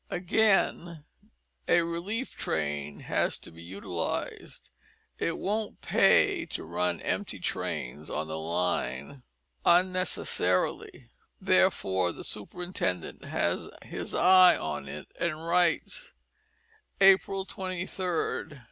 Again a "Relief Train" has to be utilised. It won't "pay" to run empty trains on the line unnecessarily, therefore the superintendent has his eye on it, and writes: "April 23rd.